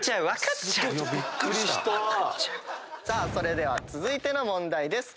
それでは続いての問題です。